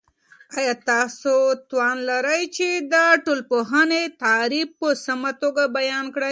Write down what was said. آیا تاسو توان لرئ چې د ټولنپوهنې تعریف په سمه توګه بیان کړئ؟